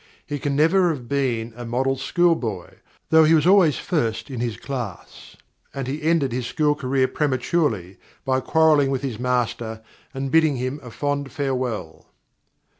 He can never have been a model schoolboy, though he was always first in his class, and he ended his school career prematurely by quarrelling with his master and bidding him a formal farewell.